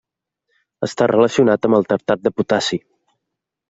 Està relacionat amb el tartrat de potassi.